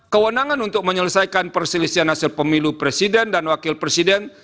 kewenangan untuk menyelesaikan perselisihan hasil pemilu presiden dan wakil presiden